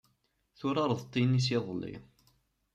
Turareḍ tinis iḍelli.